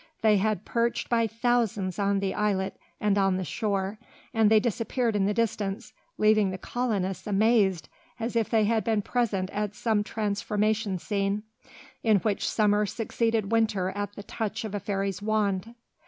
They had perched by thousands on the islet and on the shore, and they disappeared in the distance, leaving the colonists amazed as if they had been present at some transformation scene, in which summer succeeded winter at the touch of a fairy's wand.